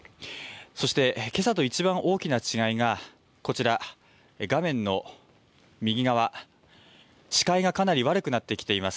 そしてけさといちばん大きな違いがこちら画面の右側、視界がかなり悪くなってきています。